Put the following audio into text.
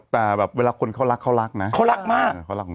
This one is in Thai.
แต่แบบเวลาคนเขารักเขารักนะเขารักมาก